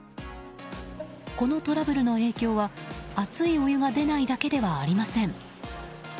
このトラブルの影響は熱いお湯が出ないだけではありません。